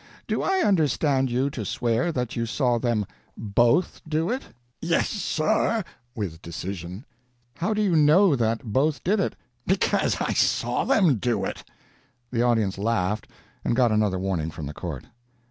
Do I understand you to swear that you saw them both do it?" "Yes, sir," with decision. "How do you know that both did it?" "Because I saw them do it." The audience laughed, and got another warning from the court.